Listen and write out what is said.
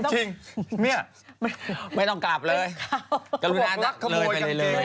จริงไม่ต้องกลับเลยกรุณานักขโมยไปเลย